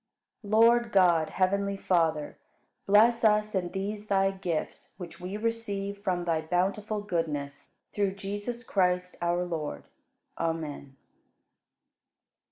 45. Lord God, heavenly Father, bless us and these Thy gifts which we receive from Thy bountiful goodness, through Jesus Christ, our Lord. Amen.